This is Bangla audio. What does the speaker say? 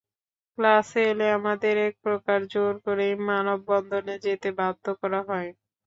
ক্লাসে এলে আমাদের একপ্রকার জোর করেই মানববন্ধনে যেতে বাধ্য করা হয়।